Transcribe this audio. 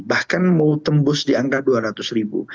bahkan mau tembus di angka dua ratus ribu